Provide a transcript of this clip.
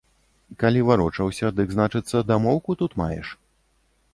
Калі варочаўся, дык, значыцца, дамоўку тут маеш.